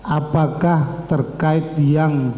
apakah terkait yang